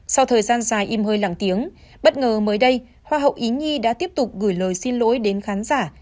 sau thời gian dài im hơi lằng tiếng bất ngờ mới đây hoa hậu ý nhi đã tiếp tục gửi lời xin lỗi đến khán giả